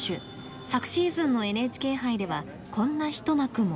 昨シーズンのＮＨＫ杯ではこんな一幕も。